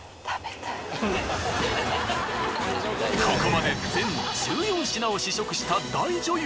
ここまで全１４品を試食した大女優。